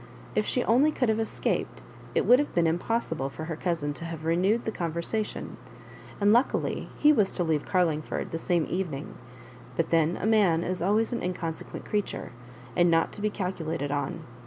If she only could have escaped, it would have been impos sible for her cousin to have renewed the conver sation ; and luckily he was to leave Carlingford the same evening; but then a man is always an inconsequent creature, and not to be calculated on.